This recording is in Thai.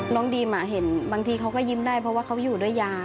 ดีมเห็นบางทีเขาก็ยิ้มได้เพราะว่าเขาอยู่ด้วยยา